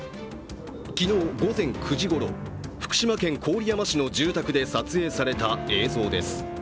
昨日午前９時ごろ、福島県郡山市の住宅で撮影された映像です。